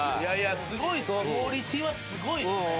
クオリティーはすごいっすね。